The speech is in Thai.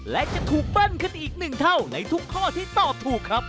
และจะถูกเบิ้ลขึ้นอีกหนึ่งเท่าในทุกข้อที่ตอบถูกครับ